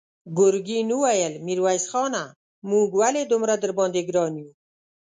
ګرګين وويل: ميرويس خانه! موږ ولې دومره درباندې ګران يو؟